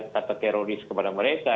kata teroris kepada mereka